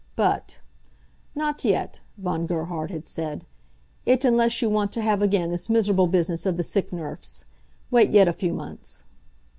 But, "Not yet," Von Gerhard had said, "It unless you want to have again this miserable business of the sick nerfs. Wait yet a few months."